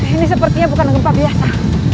ini sepertinya bukan gempa biasa